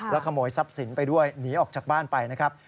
ขโมยทรัพย์สินไปด้วยหนีออกจากบ้านไปนะครับ